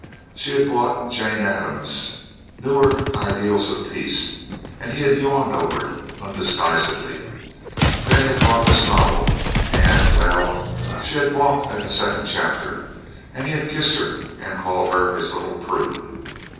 She had bought Jane Addams' "Newer Ideals of Peace," and he had yawned over it undisguisedly. Then he had brought this novel, and well, she had balked at the second chapter, and he had kissed her and called her his "little prude."